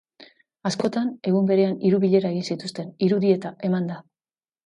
Askotan, egun berean hiru bilera egin zituzten, hiru dieta emanda.